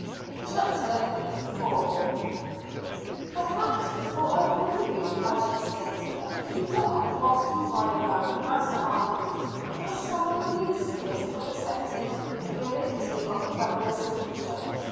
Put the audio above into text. CHAPTER LIV. Some Concluding Remarks. Perhaps before I conclude I should state that the keeper of the Boston Bridewell, Master Arnold, was summarily dismissed for accepting the validity of the Governor's signature.